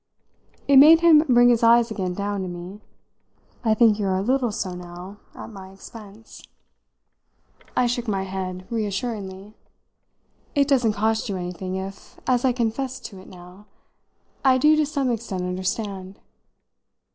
It made him bring his eyes again down to me. "I think you're a little so now at my expense." I shook my head reassuringly. "It doesn't cost you anything if as I confess to it now I do to some extent understand."